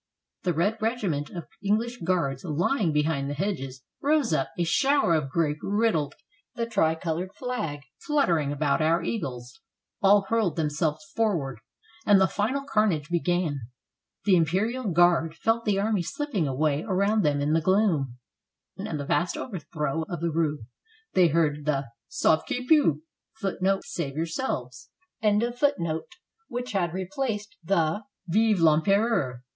The red regiment of English Guards lying behind the hedges, rose up, a shower of grape riddled the tricolored flag fluttering about our eagles, all hurled themselves forward, and the final carnage began. The Imperial Guard felt the army slipping away around them in the gloom, and the vast overthrow of the rout; they heard the ^^Sauve qui peut!"^ which had replaced the "Vive rEmpereur!''